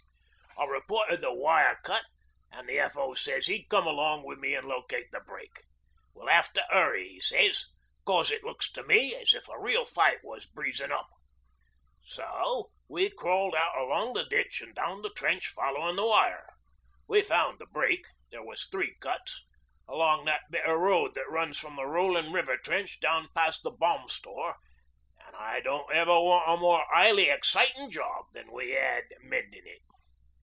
'I reported the wire cut an' the F.O. sez he'd come along wi' me an' locate the break. "We'll have to hurry," he says, "cos it looks to me as if a real fight was breezin' up." So we crawled out along the ditch an' down the trench, followin' the wire. We found the break there was three cuts along that bit o' road that runs from the Rollin' River Trench down past the Bomb Store, an' I don't ever want a more highly excitin' job than we had mendin' it.